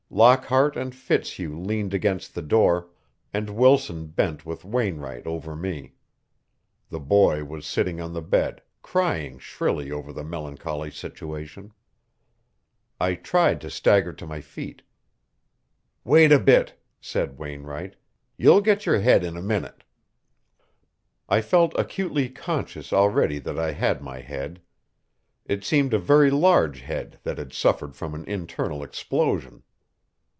Lockhart and Fitzhugh leaned against the door, and Wilson bent with Wainwright over me. The boy was sitting on the bed, crying shrilly over the melancholy situation. I tried to stagger to my feet. "Wait a bit," said Wainwright. "You'll get your head in a minute." I felt acutely conscious already that I had my head. It seemed a very large head that had suffered from an internal explosion.